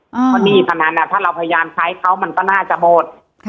เพราะหนี้พนันถ้าเราพยายามใช้เขามันก็น่าจะหมด